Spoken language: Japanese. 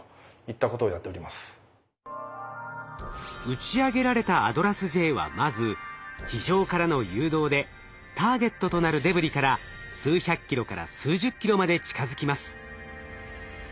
打ち上げられたＡＤＲＡＳ−Ｊはまず地上からの誘導でターゲットとなるデブリから数百ｋｍから数十ｋｍまで近づきます。